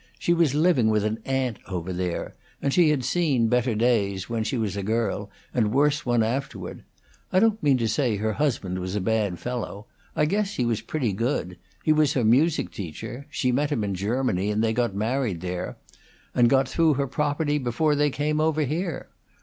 She was living with an aunt over there; and she had seen better days, when she was a girl, and worse ones afterward. I don't mean to say her husband was a bad fellow; I guess he was pretty good; he was her music teacher; she met him in Germany, and they got married there, and got through her property before they came over here.